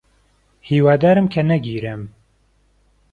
هیوادارم کە نەگیرێم.